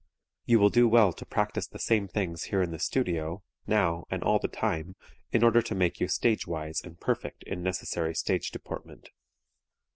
You will do well to practice the same things here in the studio, now and all the time, in order to make you stage wise and perfect in necessary stage deportment.